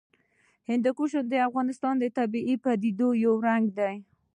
هندوکش د افغانستان د طبیعي پدیدو یو رنګ دی.